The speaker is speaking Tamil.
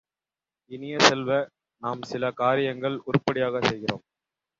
இனிய செல்வ, நாம் சில காரியங்கள் உருப்படியாகச் செய்கிறோம்!